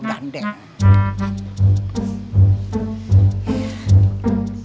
tidak ada apa apa